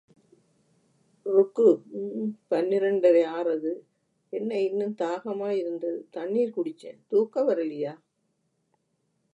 ருக்கு! ம்ம்.. பன்னிரண்டரை ஆறது..... என்ன இன்னும்? தாகமாய் இருந்தது தண்ணீர் குடிச்சேன். தூக்கம் வரல்லியா?